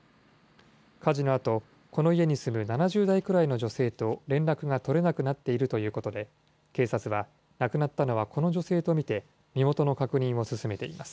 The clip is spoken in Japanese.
火事のあと、この家に住む７０代くらいの女性と連絡が取れなくなっているということで、警察は亡くなったのはこの女性と見て、身元の確認を進めています。